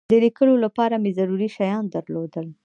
د لیکلو لپاره مې ضروري شیان درلودل.